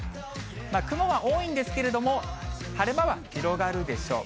雲は多いんですけれども、晴れ間は広がるでしょう。